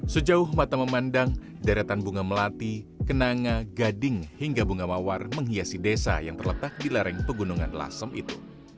sejauh mata memandang deretan bunga melati kenanga gading hingga bunga mawar menghiasi desa yang terletak di lereng pegunungan lasem itu